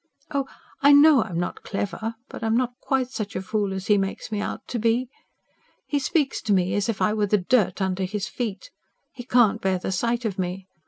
oh, I know I am not clever, but I am not quite such a fool as he makes me out to be. He speaks to me as if I were the dirt under his feet. He can't bear the sight of me.